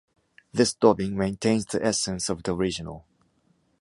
This dubbing maintains the essence of the original.